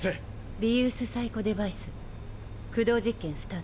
リユース・Ｐ・デバイス駆動実験スタート。